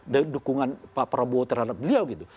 dan dukungan pak prabowo terhadap beliau